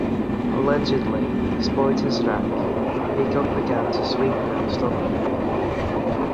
Allegedly, despite his rank, Peacock began as a sweeper in the stockroom.